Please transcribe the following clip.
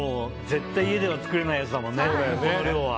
絶対家では作れないやつだもんね、この量は。